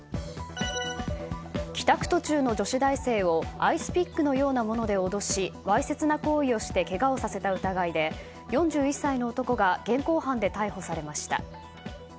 帰宅途中の女子大生をアイスピックのようなもので脅しわいせつな行為をしてけがをさせた疑いで４１歳の男が現行犯で逮捕されました。